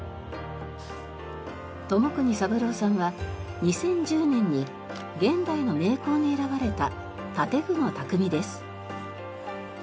友國三郎さんは２０１０年に現代の名工に選ばれた建具の匠です。